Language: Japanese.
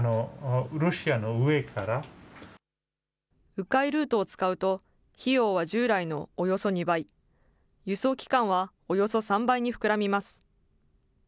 う回ルートを使うと、費用は従来のおよそ２倍、輸送期間はおよそ３倍に膨らみます。